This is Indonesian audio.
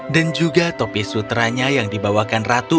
dan juga topi sutranya yang dibawakan ratu